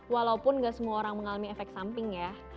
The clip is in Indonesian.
walaupun nggak semua orang mengalami efek samping ya